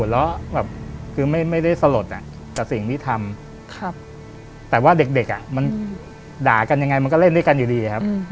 แล้วพ่อผมเนี่ยก็รุมด่ากันเลยบอกว่าไปทำมันทำไม